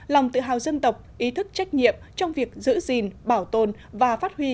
lòng tự hào dân tộc ý thức trách nhiệm trong việc giữ gìn bảo tồn và phát huy